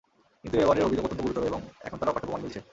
কিন্তু এবারের অভিযোগ অত্যন্ত গুরুতর এবং এখন তার অকাট্য প্রমাণ মিলছে।